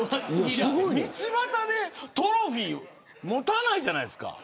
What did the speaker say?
道端でトロフィー持たないじゃないですか。